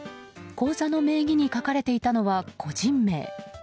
口座の名義に書かれていたのは個人名。